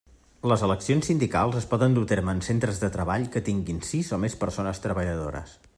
Les eleccions sindicals es poden dur a terme en centres de treball que tinguin sis o més persones treballadores.